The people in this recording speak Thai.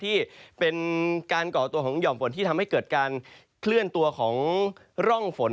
ที่เป็นการก่อตัวของห่อมฝนที่ทำให้เกิดการเคลื่อนตัวของร่องฝน